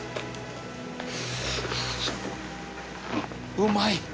うまい！